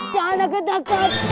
jangan nak keteket